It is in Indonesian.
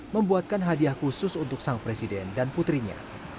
membuatkan hadiah khusus untuk sang presiden dan putrinya